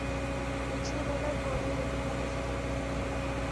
বুঝিয়ে বলার পরেও এখানে বসে থাকবি?